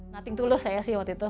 nothing to lose saya sih waktu itu